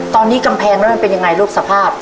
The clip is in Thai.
ตอนนี้กำแพงนั้นมันเป็นยังไงลูกสภาพ